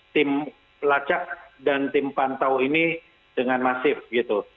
tim lacak dan tim pantau ini dengan masif gitu